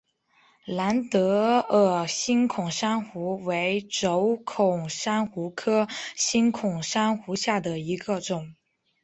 蓝德尔星孔珊瑚为轴孔珊瑚科星孔珊瑚下的一个种。